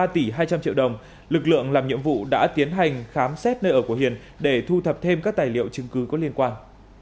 ba tỷ hai trăm linh triệu đồng lực lượng làm nhiệm vụ đã tiến hành khám xét nơi ở của hiền để thu thập thêm các tài liệu chứng cứ có liên quan